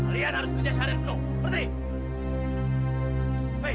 kalian harus kerja seharian penuh berhenti